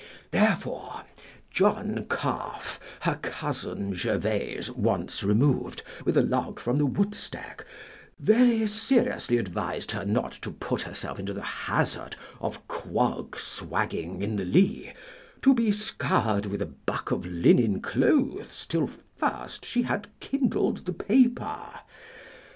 Therefore John Calf, her cousin gervais once removed with a log from the woodstack, very seriously advised her not to put herself into the hazard of quagswagging in the lee, to be scoured with a buck of linen clothes till first she had kindled the paper.